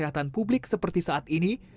dan publik seperti saat ini